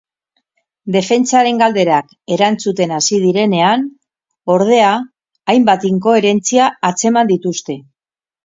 Defentsaren galderak erantzuten hasi direnean, ordea, hainbat inkoherentzia atzeman dituzte.